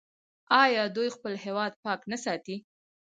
آیا دوی خپل هیواد پاک نه ساتي؟